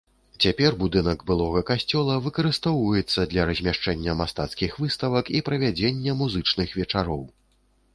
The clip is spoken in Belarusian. Цяпер будынак былога касцёла выкарыстоўваецца для размяшчэння мастацкіх выставак і правядзення музычных вечароў.